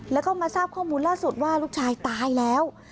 แล้วก็มาทราบข้อมูลล่าสุดว่าลูกชายตายแล้ว